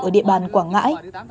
ở địa bàn quảng ngãi